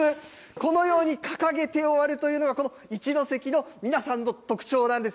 このように掲げて終わるというのが、この一関の皆さんの特徴なんです。